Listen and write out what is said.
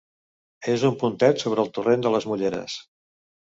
És un pontet sobre el torrent de les Mulleres.